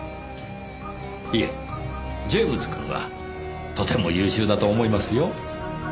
いえジェームズくんはとても優秀だと思いますよ。